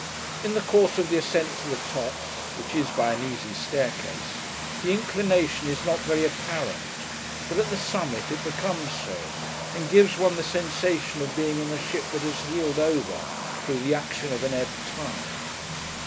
In the course of the ascent to the top (which is by an easy staircase), the inclination is not very apparent; but, at the summit, it becomes so, and gives one the sensation of being in a ship that has heeled over, through the action of an ebb tide.